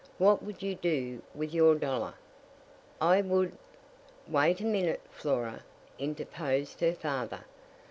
What would you do with your dollar?" "I would " "Wait a minute, Flora," interposed her father.